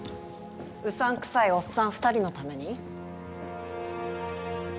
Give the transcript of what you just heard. うさんくさいおっさん２人のために？